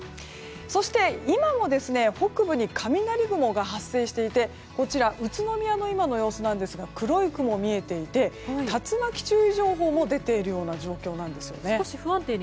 そして、今も北部に雷雲が発生していてこちら宇都宮の今の様子なんですが黒い雲が見えていて竜巻注意情報も出ている状況ですね。